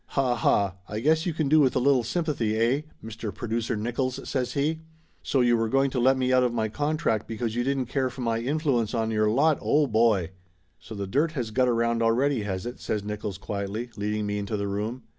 "Ha ha ! I guess you can do with a little sympathy, eh? Mister Producer Nickolls?" says he. "So you were going to let me out of my contract because you didn't care for my influence on your lot ! Oh, boy !" "So the dirt has got around already, has it?" says Nickolls quietly, leading me into the room.